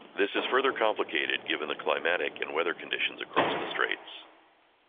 This is further complicated given the climatic and weather conditions across the straits.